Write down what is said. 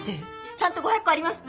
ちゃんと５００個あります。